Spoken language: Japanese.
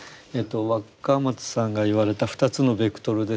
若松さんが言われた２つのベクトルですね。